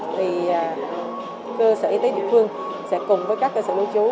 thì cơ sở y tế địa phương sẽ cùng với các cơ sở lưu trú